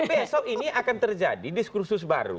besok ini akan terjadi diskursus baru